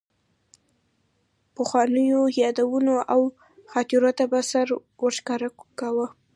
پخوانیو یادونو او خاطرو ته به سر ورښکاره کاوه.